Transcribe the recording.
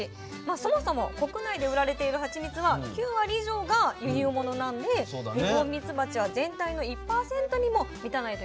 そもそも国内で売られているハチミツは９割以上が輸入物なのでニホンミツバチは全体の１％にも満たないといわれているんですね。